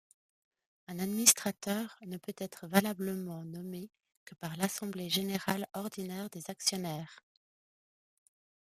Un administrateur ne peut être valablement nommé que par l'assemblée générale ordinaire des actionnaires.